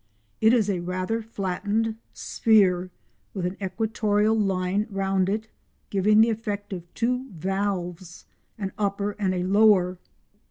It is a rather flattened sphere, with an equatorial line round it, giving the effect of two halves—an upper and a lower.